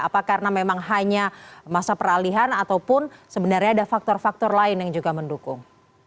apa karena memang hanya masa peralihan ataupun sebenarnya ada faktor faktor lain yang juga mendukung